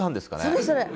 それそれ。